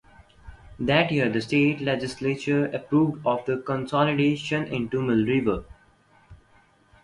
That year the state legislature approved of the consolidation into Mill River.